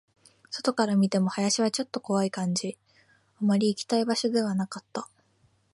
外から見ても、林はちょっと怖い感じ、あまり行きたい場所ではなかった